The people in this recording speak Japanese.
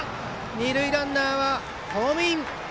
二塁ランナーはホームイン！